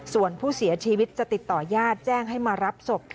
ส่วนผู้เสียชีวิตจะติดต่อญาติแจ้งให้มารับศพ